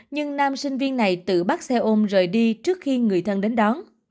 nhưng nam sinh viên này tự bắt xe ôm rời đi trước khi người thân đến đón